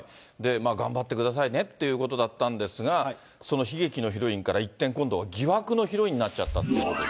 頑張ってくださいねっていうことだったんですが、その悲劇のヒロインから一転、今度疑惑のヒロインになっちゃったということで。